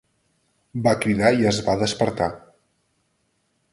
Va cridar i es va despertar.